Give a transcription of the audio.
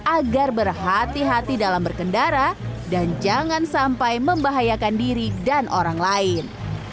agar berhati hati dalam berkendara dan jangan sampai membahayakan diri dan orang lain